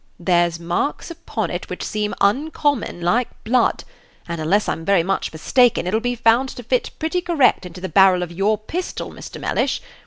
There's marks upon it which seem oncommon like blood; and, unless I'm very much mistaken, it'll be found to fit pretty correct into the barrel of your pistol, Mr. Mellish.